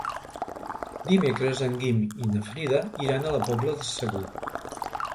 Dimecres en Guim i na Frida iran a la Pobla de Segur.